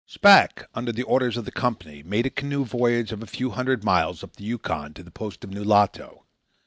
Shpack, under the orders of the Company, made a canoe voyage of a few hundred miles up the Yukon to the post of Nulato.